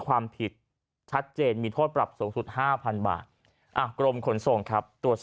ความผิดชัดเจนมีโทษปรับสูงสุด๕๐๐๐บาทกรมขนส่งครับตรวจสอบ